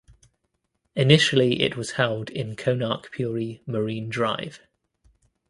Initially it was held in Konark Puri Marine drive.